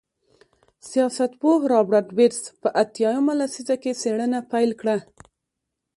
سیاستپوه رابرټ بېټس په اتیا مه لسیزه کې څېړنه پیل کړه.